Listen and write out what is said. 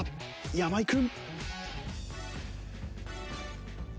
山井君。